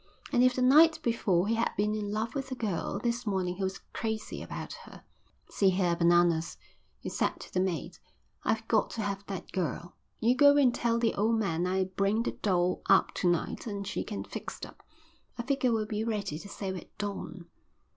And if the night before he had been in love with the girl, this morning he was crazy about her. "See here, Bananas," he said to the mate, "I've got to have that girl. You go and tell the old man I'll bring the dough up to night and she can get fixed up. I figure we'll be ready to sail at dawn."